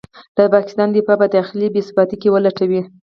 د پاکستان دفاع په داخلي بې ثباتۍ کې ولټوي.